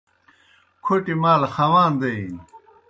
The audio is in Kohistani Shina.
کھوٹیْ مال خواندے نیْ